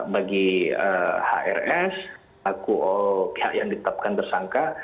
bagi hrs laku pihak yang ditetapkan tersangka